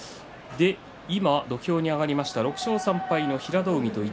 今土俵に上がりました６勝３敗の平戸海と一